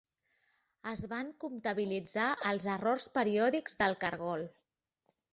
Es van comptabilitzar els errors periòdics del cargol.